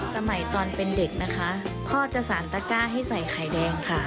สมัยตอนเป็นเด็กนะคะพ่อจะสารตะก้าให้ใส่ไข่แดงค่ะ